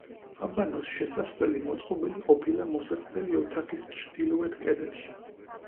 აბანოს შესასვლელი მოწყობილი ყოფილა მოსაცდელი ოთახის ჩრდილოეთ კედელში.